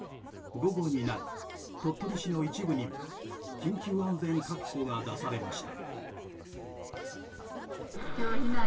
午後になり、鳥取市の一部にも緊急安全確保が出されました。